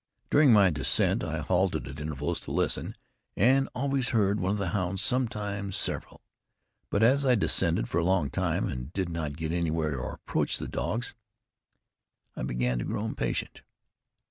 During my descent, I halted at intervals to listen, and always heard one of the hounds, sometimes several. But as I descended for a long time, and did not get anywhere or approach the dogs, I began to grow impatient.